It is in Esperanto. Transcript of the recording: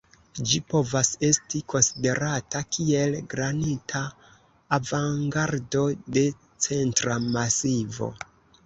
Ĝi povas esti konsiderata kiel granita avangardo de Centra Masivo.